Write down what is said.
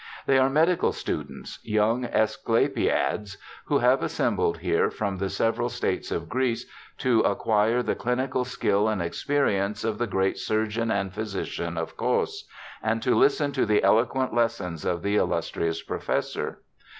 They are medical students, young Asclepiades, who have assembled here from the several states of Greece, to acquire the clinical skill and experience of the great surgeon and physician of Cos, and to listen to the eloquent lessons of the illustrious professor.